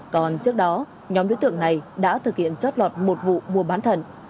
còn trước đó nhóm đối tượng này đã thực hiện chót lọt một vụ mua bán thận